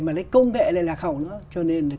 mà lấy công nghệ này lạc hậu nữa cho nên